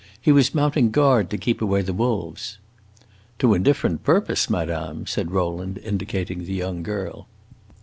"He was mounting guard to keep away the wolves." "To indifferent purpose, madame!" said Rowland, indicating the young girl.